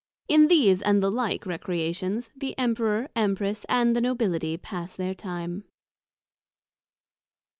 In these and the like Recreations, the Emperor, Empress, and the Nobility pass their time.